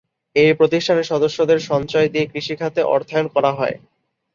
এ প্রতিষ্ঠানের সদস্যদের সঞ্চয় দিয়ে কৃষিখাতে অর্থায়ন করা হয়।